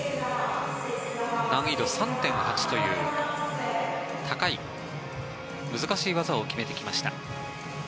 難易度３．８という高い難しい技を決めてきました。